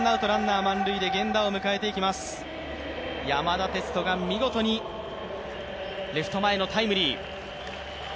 山田哲人が見事にレフト前のタイムリー。